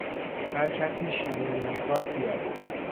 هر کسی شیرینی میخواد بیاد